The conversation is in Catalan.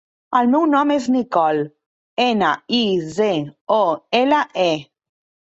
El meu nom és Nicole: ena, i, ce, o, ela, e.